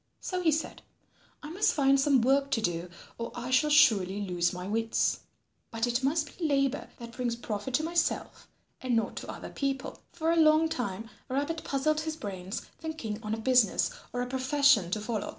So he said, "I must find some work to do or I shall surely lose my wits. But it must be labour that brings profit to myself and not to other people." For a long time Rabbit puzzled his brains thinking on a business or a profession to follow.